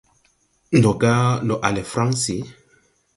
Ndɔ ga ndɔ a le Fransi?